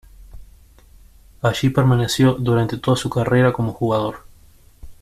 Allí permaneció durante toda su carrera como jugador.